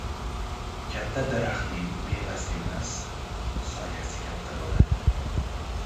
• Katta daraxtning mevasi emas, soyasi katta bo‘ladi.